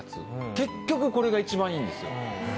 結局これが一番いいんですよ。